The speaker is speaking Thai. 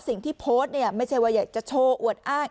โพสต์เนี่ยไม่ใช่ว่าอยากจะโชว์อวดอ้าง